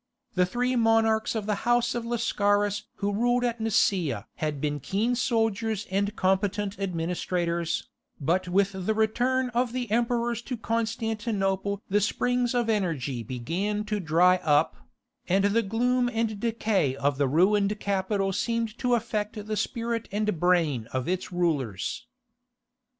The three monarchs of the house of Lascaris who ruled at Nicaea had been keen soldiers and competent administrators, but with the return of the emperors to Constantinople the springs of energy began to dry up, and the gloom and decay of the ruined capital seemed to affect the spirit and brain of its rulers.